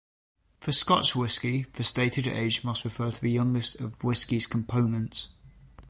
For Scotch whisky, the stated age must refer to the youngest of whisky's components.